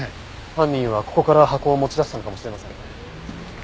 犯人はここから箱を持ち出したのかもしれませんね。